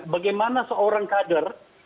bagaimana seorang kader